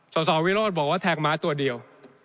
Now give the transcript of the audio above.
สสวิโรธบอกว่าแทงม้าตัวเดียว